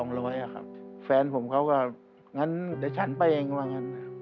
งั้นเดี๋ยวฉันไปเองว่างั้น